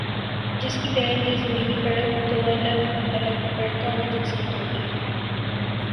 جس کی تحت یہ زمینی پرت دو الگ الگ پرتوں میں تقسیم ہوگی۔